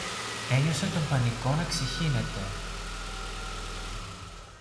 Ένιωσε τον πανικό να ξεχύνεται